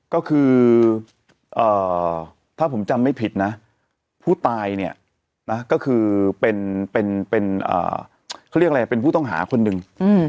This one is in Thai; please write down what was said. ก็คือถ้าผมจำไม่ผิดนะผู้ตายเนี่ยนะก็คือเป็นเขาเรียกอะไรเป็นผู้ต้องหาคนหนึ่ง